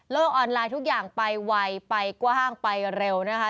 ออนไลน์ทุกอย่างไปไวไปกว้างไปเร็วนะคะ